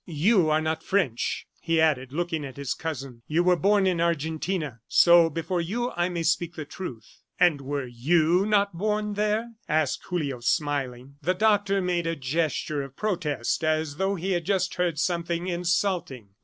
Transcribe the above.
"You are not French," he added looking at his cousin. "You were born in Argentina, so before you I may speak the truth." "And were you not born there?" asked Julio smiling. The Doctor made a gesture of protest, as though he had just heard something insulting.